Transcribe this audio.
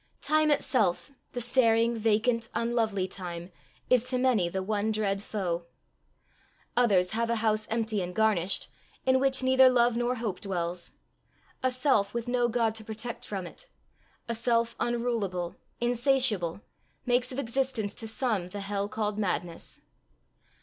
Time itself, the staring, vacant, unlovely time, is to many the one dread foe. Others have a house empty and garnished, in which neither Love nor Hope dwells. A self, with no God to protect from it, a self unrulable, insatiable, makes of existence to some the hell called madness.